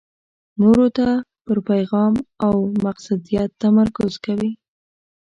نورو ته پر پېغام او مقصدیت تمرکز کوي.